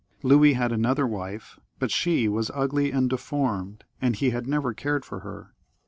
Louis had another wife, but she was ugly and deformed, and he had never cared for her.